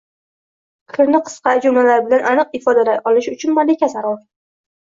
Fikrni qisqa jumlalar bilan aniq ifodalay olish uchun malaka zarur.